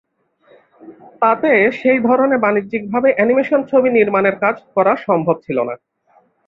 তাতে সেই ধরনে বাণিজ্যিকভাবে অ্যানিমেশন ছবি নির্মাণের কাজ করা সম্ভব ছিল না।